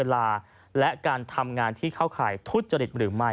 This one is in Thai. เวลาและการทำงานที่เข้าข่ายทุจริตหรือไม่